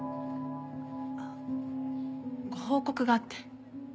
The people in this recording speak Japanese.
あっご報告があって。